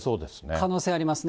可能性がありますね。